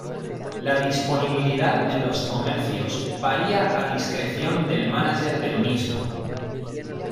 La disponibilidad en los comercios varía a discreción del mánager del mismo.